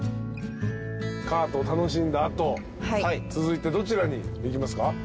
カート楽しんだ後続いてどちらに行きますか？